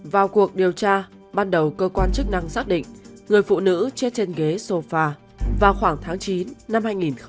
vào cuộc điều tra ban đầu cơ quan chức năng xác định người phụ nữ chết trên ghế sofa vào khoảng tháng chín năm hai nghìn một mươi bảy